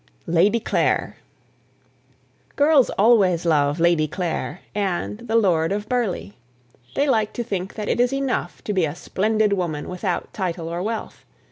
LADY CLARE. Girls always love "Lady Clare" and "The Lord of Burleigh." They like to think that it is enough to be a splendid woman without title or wealth.